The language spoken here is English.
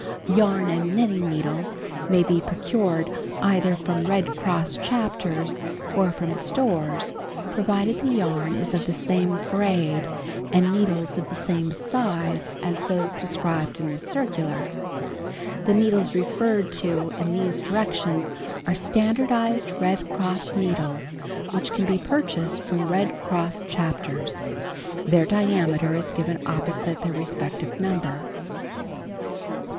Yarn and knitting needles may be procured either from Red Cross Chapters or from stores, provided the yarn is of the same grade and needles of the same size as those described in this circular. The needles referred to in these directions are standardized Red Cross needles which can be purchased from Red Cross Chapters. Their diameter is given opposite their respective number.